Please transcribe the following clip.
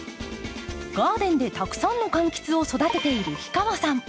ガーデンでたくさんの柑橘を育てている氷川さん。